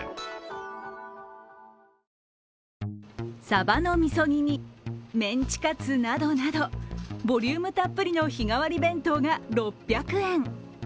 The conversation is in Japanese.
サバの味噌煮にメンチカツなどなど、ボリュームたっぷりの日替わり弁当が６００円。